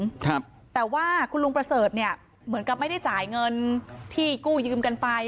ครับแต่ว่าคุณลุงประเสริฐเนี่ยเหมือนกับไม่ได้จ่ายเงินที่กู้ยืมกันไป